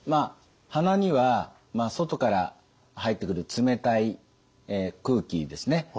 鼻には外から入ってくる冷たい空気ですね